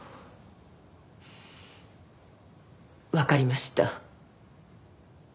わかりました。